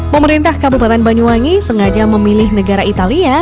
pemerintah kabupaten banyuwangi sengaja memilih negara italia